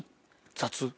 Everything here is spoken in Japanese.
雑？